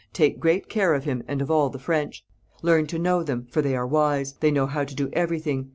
'Take great care of him, and of all the French. Learn to know them, for they are wise; they know how to do everything.